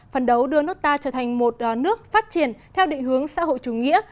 phần đấu đưa nước ta trở thành một nước phát triển theo định hướng xã hội chủ nghĩa